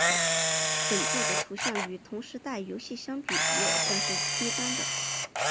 本作的图像与同时代游戏相比也算是低端的。